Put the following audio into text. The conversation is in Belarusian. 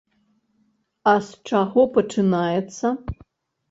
А з чаго пачынаецца?